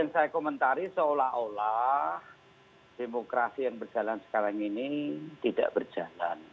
saya komentari seolah olah demokrasi yang berjalan sekarang ini tidak berjalan